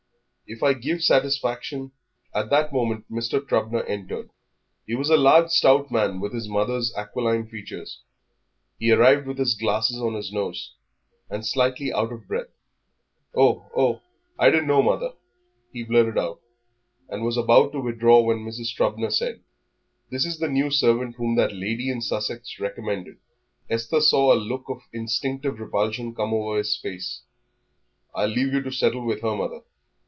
If I give satisfaction " At that moment Mr. Trubner entered. He was a large, stout man, with his mother's aquiline features. He arrived with his glasses on his nose, and slightly out of breath. "Oh, oh, I didn't know, mother," he blurted out, and was about to withdraw when Mrs. Trubner said "This is the new servant whom that lady in Sussex recommended." Esther saw a look of instinctive repulsion come over his face. "I'll leave you to settle with her, mother."